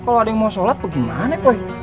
kalau ada yang mau sholat bagaimana pak